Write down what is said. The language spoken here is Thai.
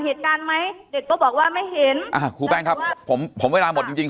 เหตุการณ์ไหมเด็กก็บอกว่าไม่เห็นอ่าครูแป้งครับผมผมเวลาหมดจริงจริง